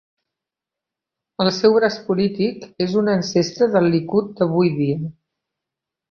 El seu braç polític és un ancestre del Likud d'avui dia.